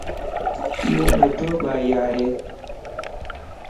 ايو ٻڊو بائي ائي.